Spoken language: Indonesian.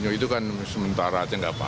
ya enggak itu itu kan sementara aja enggak apa apa